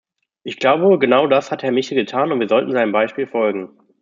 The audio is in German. Ich glaube, genau das hat Herr Michel getan, und wir sollten seinem Beispiel folgen.